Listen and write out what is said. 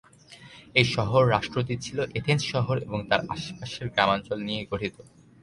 এই শহর-রাষ্ট্রটি ছিলো এথেন্স শহর এবং তার আশপাশের গ্রামাঞ্চল নিয়ে গঠিত।